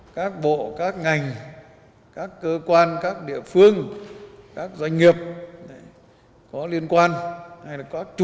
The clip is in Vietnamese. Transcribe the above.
các bộ các ngành các cơ quan các địa phương các doanh nghiệp có liên quan hay là có chủ